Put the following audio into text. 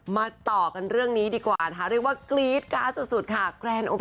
มาต่อกันเรื่องนี้ดีกว่านะคะเรียกว่าสุดสุดค่ะ